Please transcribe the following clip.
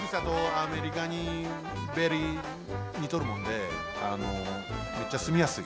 アメリカにベリーにとるもんであのめっちゃすみやすい。